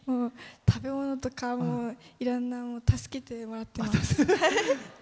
食べ物とかいろんな助けてもらって。